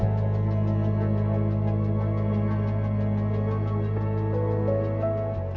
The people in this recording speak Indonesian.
belitung ini hanya menjadi sebuah model